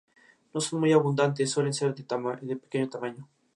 El gobierno paraguayo decretó duelo nacional el día de su sepelio.